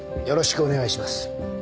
よろしくお願いします。